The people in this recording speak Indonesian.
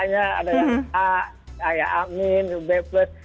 kalanya ada yang a a ya amin b plus